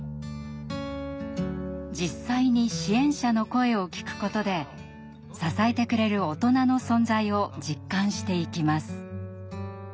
実際に支援者の声を聞くことで支えてくれる大人の存在を実感していきます。